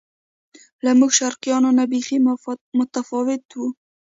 له موږ شرقیانو نه بیخي متفاوت و.